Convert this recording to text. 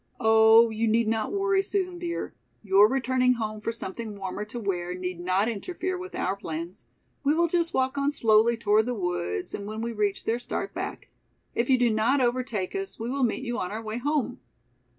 "Oh, you need not worry, Susan dear! Your returning home for something warmer to wear need not interfere with our plans. We will just walk on slowly toward the woods and when we reach there start back. If you do not overtake us, we will meet you on our way home."